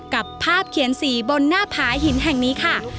กับภาพเขียนสีบนหน้าผาหินแห่งนี้ค่ะ